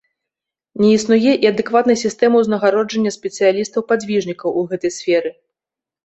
Не існуе і адэкватнай сістэмы ўзнагароджання спецыялістаў-падзвіжнікаў у гэтай сферы.